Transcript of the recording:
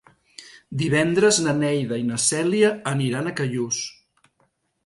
Divendres na Neida i na Cèlia aniran a Callús.